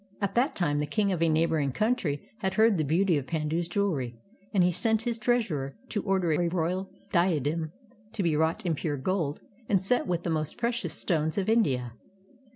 At that time the king of a neighboring country had heard of the beauty of Pandu's jewelry, and he sent his treasurer to order a royal diadem to be wrought in pure gold and set with the most precious stones of India.